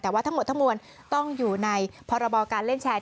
แต่ว่าทั้งหมดทั้งมวลต้องอยู่ในพรบการเล่นแชร์